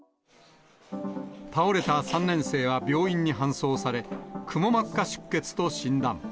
倒れた３年生は病院に搬送され、くも膜下出血と診断。